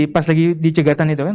pas lagi dicegatan itu kan